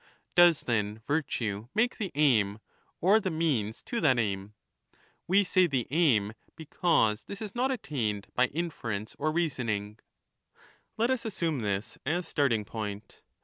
Does then virtue make the aim, or_th e me ans to that_aim ? We say^the_aim^ because 4his is not attained by jp fgrptirp or reasonings Let us assume this as starting point.